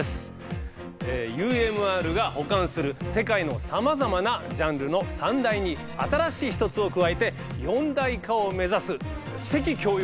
ＵＭＲが保管する世界のさまざまなジャンルの三大に新しい１つを加えて四大化を目指す知的教養番組です。